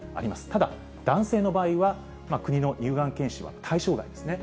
ただ男性の場合は、国の乳がん検診は対象外ですね。